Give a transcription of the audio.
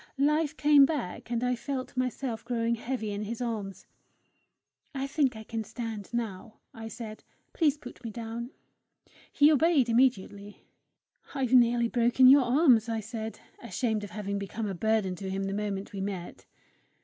Life came back, and I felt myself growing heavy in his arms. "I think I can stand now," I said. "Please put me down." He obeyed immediately. "I've nearly broken your arms," I said, ashamed of having become a burden to him the moment we met.